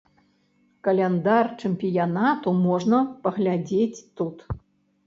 Каляндар чэмпіянату можна паглядзець тут.